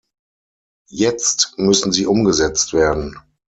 Jetzt müssen sie umgesetzt werden.